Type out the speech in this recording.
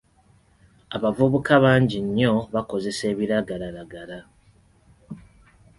Abavubuka bangi nnyo bakozesa ebiragalalagala.